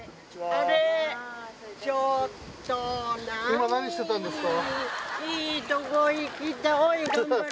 今何してたんですか？